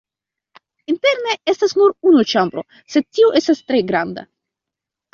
Interne estas nur unu ĉambro, sed tio estas tre granda.